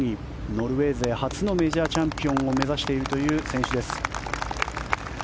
ノルウェー勢初のメジャーチャンピオンを目指しているという選手です。